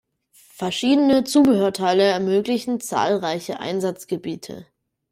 Verschiedene Zubehörteile ermöglichen zahlreiche Einsatzgebiete.